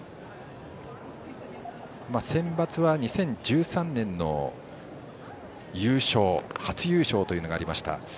センバツは２０１３年の優勝初優勝がありました。